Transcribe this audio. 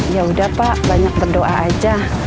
yaudah pak banyak berdoa aja